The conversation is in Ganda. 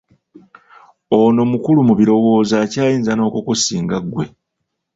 Ono mukulu mu birowoozo akyayinza n'okukusinga ggwe!